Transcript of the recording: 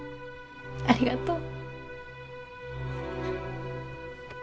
ありがとう。